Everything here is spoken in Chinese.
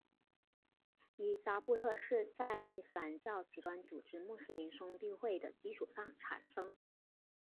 伊扎布特是在伊斯兰教极端组织穆斯林兄弟会的基础上产生。